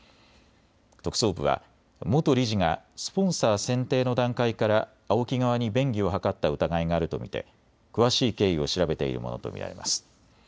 特捜部は元理事がスポンサー選定の段階からＡＯＫＩ側に便宜を図った疑いがあると見て詳しい経緯を調べているものと見られます。